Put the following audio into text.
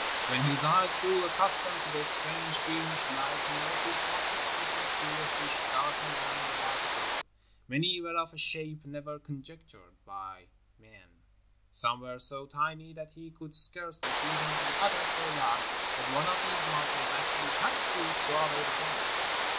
When his eyes grew accustomed to the strange, greenish light, he noticed multitudes of queer fish darting round about the bell. Many were of a shape never conjectured by man, some were so tiny that he could scarcely see them, and others so large that one of these monsters actually tried to swallow the bell.